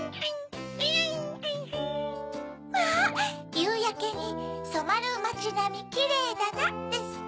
「ゆうやけにそまるまちなみキレイだな」ですって。